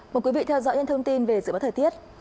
mời quý vị theo dõi những thông tin về dự báo thời tiết